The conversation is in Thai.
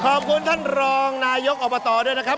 ขอบคุณท่านรองนายกอบตด้วยนะครับ